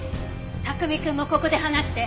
卓海くんもここで放して。